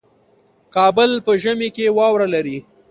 کابل په ژمي کې واوره لري